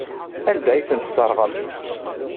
Anda ay tent-tesserɣemt?